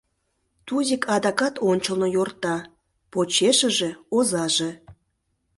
Тузик адакат ончылно йорта, почешыже — озаже.